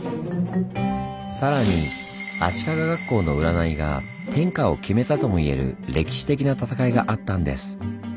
さらに足利学校の占いが天下を決めたともいえる歴史的な戦いがあったんです。